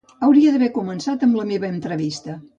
Hauria d'haver començat amb la meva entrevista.